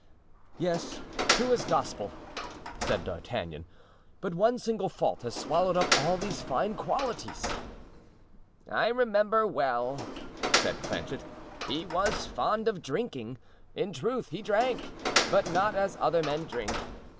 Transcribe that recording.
"Yes, true as Gospel," said D'Artagnan; "but one single fault has swallowed up all these fine qualities." "I remember well," said Planchet, "he was fond of drinking—in truth, he drank, but not as other men drink.